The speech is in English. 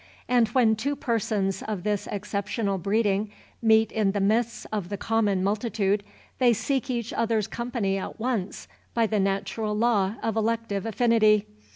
And when two persons of this exceptional breeding meet in the midst of the common multitude, they seek each other's company at once by the natural law of elective affinity.